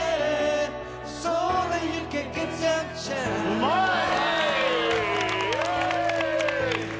うまい！